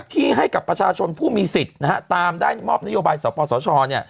ที่ให้กับประชาชนผู้มีสิทธิ์ตามได้มอบนโยบายสหพสช